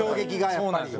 そうなんですよ。